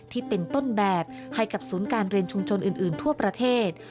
ที่เป็นต้นแบบให้กับศูนย์การเรียนชุมชนอื่นทั่วประเทศ